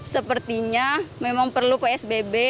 sepertinya memang perlu psbb